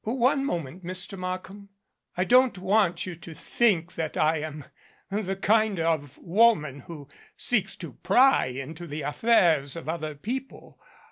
"One moment, Mr. Markham. I don't want you to think that I am the kind of woman who seeks to pry into the affairs of other people.